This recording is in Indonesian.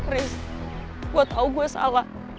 riz gue tau gue salah